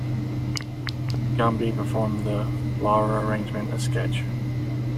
Gumby" performing the "Flower Arranging" sketch.